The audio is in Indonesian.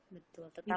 betul tetap positif